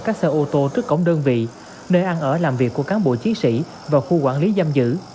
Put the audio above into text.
các xe ô tô trước cổng đơn vị nơi ăn ở làm việc của cán bộ chiến sĩ và khu quản lý giam giữ